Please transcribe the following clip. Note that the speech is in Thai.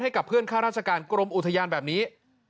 ให้กับเพื่อนข้าราชการกรมอุทยานแบบนี้